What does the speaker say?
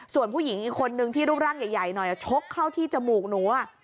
ส่วนผู้หญิงอีกคนนึงที่รูปร่างใหญ่หน่อยชกเข้าที่จมูกหนู